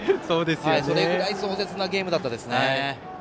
それぐらい壮絶なゲームでしたよね。